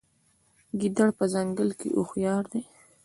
ګیدړ په ځنګل کې هوښیار دی.